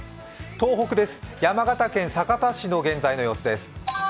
東北です、山形県酒田市の現在の様子です。